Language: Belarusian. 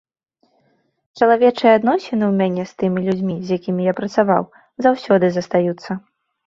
Чалавечыя адносіны ў мяне з тымі людзьмі, з якімі я працаваў, заўжды застаюцца.